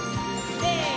せの！